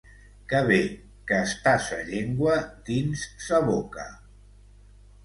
Que bé que està sa llengua dins sa boca!